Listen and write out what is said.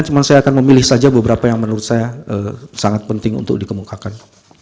cuma saya akan memilih saja beberapa yang menurut saya sangat penting untuk dikemukakan